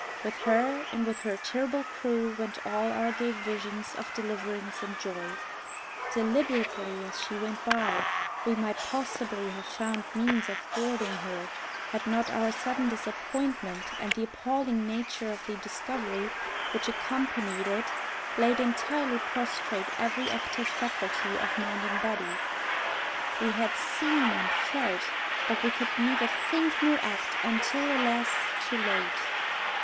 With her and with her terrible crew went all our gay visions of deliverance and joy. Deliberately as she went by, we might possibly have found means of boarding her, had not our sudden disappointment and the appalling nature of the discovery which accompanied it laid entirely prostrate every active faculty of mind and body. We had seen and felt, but we could neither think nor act, until, alas! too late.